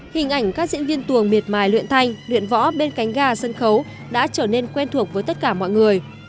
hình ảnh các diễn viên tuồng miệt mài luyện thanh luyện võ bên cánh gà sân khấu đã trở nên quen thuộc với tất cả mọi người